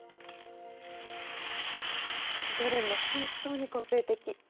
どれも本当に個性的。